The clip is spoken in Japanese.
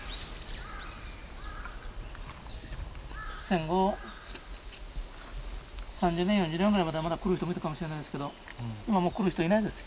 戦後３０年４０年ぐらいまではまだ来る人もいたかもしれないですけど今はもう来る人いないです。